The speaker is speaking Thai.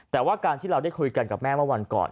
แต่ว่าการที่เราได้คุยกันกับแม่เมื่อวันก่อน